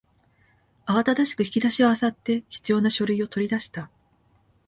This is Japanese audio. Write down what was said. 慌ただしく引き出しを漁って必要な書類を取り出した